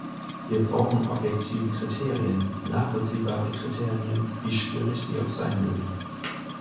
Wir brauchen objektive Kriterien, nachvollziehbare Kriterien, wie schwierig sie auch sein mögen.